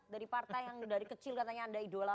dari partai yang dari kecil katanya anda idola